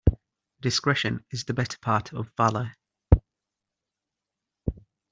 Discretion is the better part of valour.